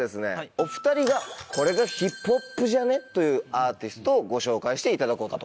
お２人がこれがヒップホップじゃね？というアーティストをご紹介していただこうかと。